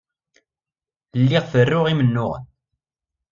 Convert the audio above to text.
Lliɣ ferruɣ imennuɣen.